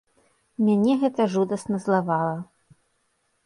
Мяне гэта жудасна злавала.